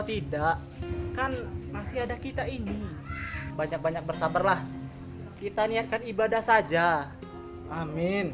tidak kan masih ada kita ini banyak banyak bersabarlah kita niatkan ibadah saja amin